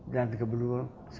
dan ke dua